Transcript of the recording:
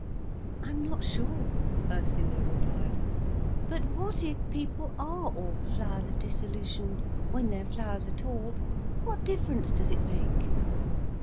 "I'm not sure," Ursula replied. "But what if people are all flowers of dissolution—when they're flowers at all—what difference does it make?"